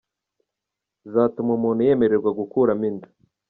zatuma umuntu yemererwa gukuramo inda